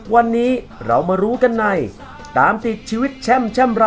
วันนี้เรามารู้กันใส่ตามติดชีวิตแช่มแช่มรำครับ